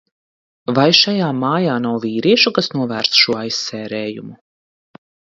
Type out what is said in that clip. Vai šajā mājā nav vīriešu, kas novērstu šo aizsērējumu?